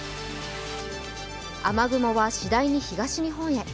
雨雲は次第に東日本へ。